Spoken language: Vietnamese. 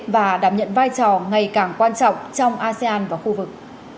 và đảm nhận vai trò ngày càng quan trọng trong asean và khu vực